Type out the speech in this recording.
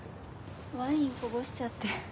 ワインこぼしちゃって。